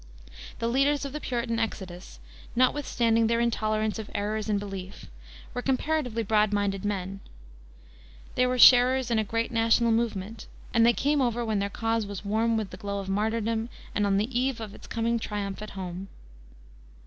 The leaders of the Puritan exodus, notwithstanding their intolerance of errors in belief, were comparatively broad minded men. They were sharers in a great national movement, and they came over when their cause was warm with the glow of martyrdom and on the eve of its coming triumph at home.